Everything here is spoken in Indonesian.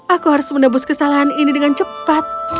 aku harus menebus kesalahan ini dengan cepat